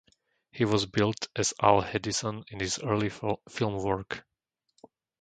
He was billed as Al Hedison in his early film work.